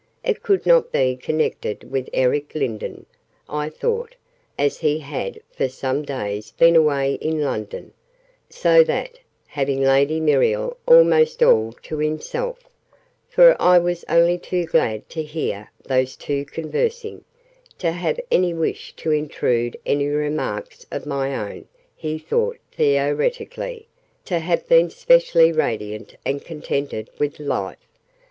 It could not be connected with Eric Lindon, I thought, as he had for some days been away in London: so that, having Lady Muriel almost 'all to himself' for I was only too glad to hear those two conversing, to have any wish to intrude any remarks of my own he ought, theoretically, to have been specially radiant and contented with life.